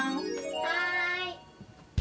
はい。